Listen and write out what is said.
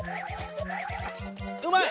うまい！